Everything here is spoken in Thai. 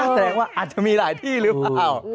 แสดงว่าอาจจะมีหลายที่หรือเปล่า